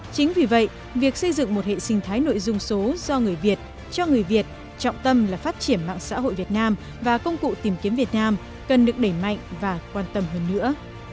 chính vì vậy việc xây dựng một hệ sinh thái nội dung số do người việt cho người việt trọng tâm là phát triển mạng xã hội việt nam và công cụ tìm kiếm việt nam cần được đẩy mạnh và quan tâm hơn nữa